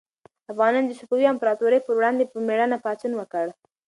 افغانانو د صفوي امپراطورۍ پر وړاندې په مېړانه پاڅون وکړ.